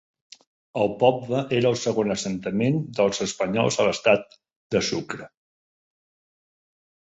El poble era el segon assentament dels espanyols a l'estat de Sucre.